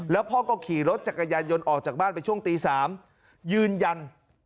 แล้วพ่อก็ขี่รถจักรยานยนต์ออกจากบ้านไปช่วงตี๓ยืนยัน